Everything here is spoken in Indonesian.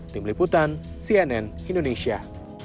tim liputan cnn indonesia